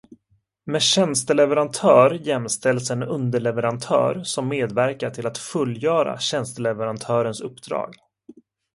Med tjänsteleverantör jämställs en underleverantör som medverkar till att fullgöra tjänsteleverantörens uppdrag.